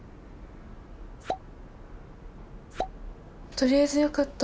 とりあえずよかった。